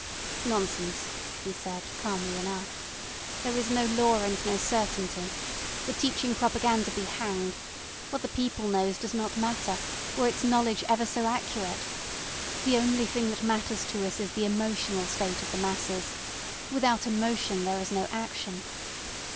"Nonsense," he said calmly enough. "There is no law and no certainty. The teaching propaganda be hanged. What the people knows does not matter, were its knowledge ever so accurate. The only thing that matters to us is the emotional state of the masses. Without emotion there is no action."